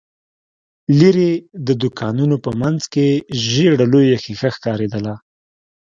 ليرې، د دوکانونو په مينځ کې ژېړه لويه ښيښه ښکارېدله.